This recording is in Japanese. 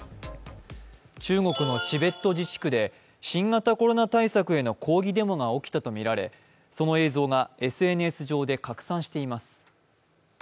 中国のチベット自治区で新型コロナ対策への抗議デモが起きたとみられその映像がＳＮＳ上で拡散しています。